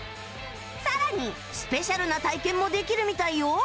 さらにスペシャルな体験もできるみたいよ